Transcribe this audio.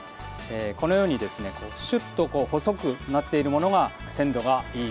このようにシュッと細くなっているものが鮮度がいい